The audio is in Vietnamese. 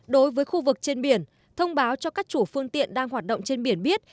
đối với khu vực trên biển thông báo cho các chủ phương tiện đang hoạt động trên biển biết